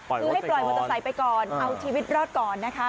คือให้ปล่อยมอเตอร์ไซค์ไปก่อนเอาชีวิตรอดก่อนนะคะ